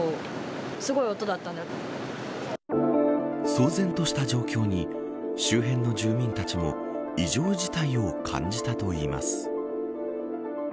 騒然とした状況に周辺の住民たちも異常事態を感じたといいます。